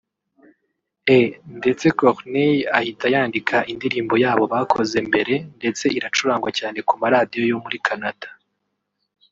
E ndetse Corneille ahita yandika indirimbo yabo bakoze mbere ndetse iracurangwa cyane ku ma radiyo yo muri Canada